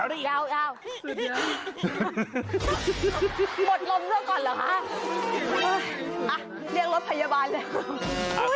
อะไรแล้วเรือรถพยาบาลให้